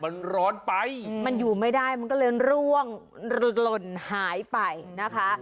มันร้อนไปมันอยู่ไม่ได้มันก็เลยร่วงหล่นหายไปนะคะ